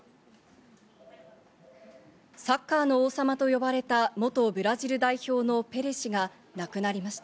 サッカーの王様と呼ばれた元ブラジル代表のペレ氏が亡くなりました。